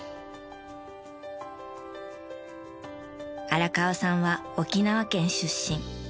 荒川さんは沖縄県出身。